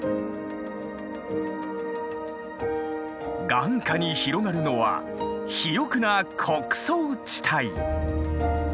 眼下に広がるのは肥沃な穀倉地帯。